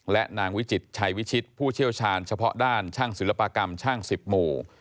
และนางวิจิตชัยวิชิตผู้เชี่ยวชาญเฉพาะด้านช่างศิลปกรรมช่างสิบหมู่